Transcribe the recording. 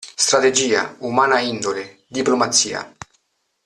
Strategia, umana indole, diplomazia.